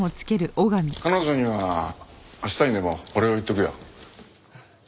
彼女には明日にでもお礼を言っておくよ。